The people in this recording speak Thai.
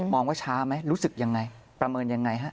ว่าช้าไหมรู้สึกยังไงประเมินยังไงฮะ